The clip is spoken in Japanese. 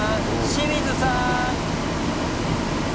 清水さん！